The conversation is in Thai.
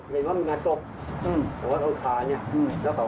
เห็นว่ามีงานจบเพราะว่าเขาขาแล้วก็เดินแหลงนี้